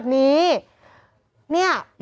คุณธรรมนัฐลงไปแบบว่าดูการ